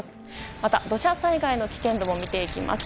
また、土砂災害の危険度を見ていきます。